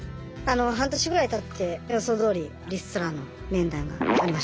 半年ぐらいたって予想どおりリストラの面談がありました。